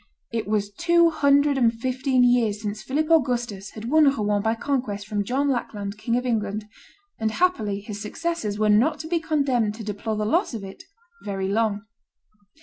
It was two hundred and fifteen years since Philip Augustus had won Rouen by conquest from John Lackland, King of England; and happily his successors were not to be condemned to deplore the loss of it very long.